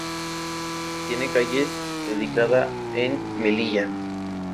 Tiene calle dedicada en Melilla.